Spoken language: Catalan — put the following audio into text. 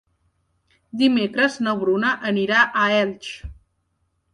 Dimecres na Bruna anirà a Elx.